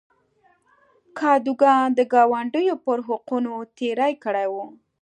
کادوګان د ګاونډیو پر حقونو تېری کړی و.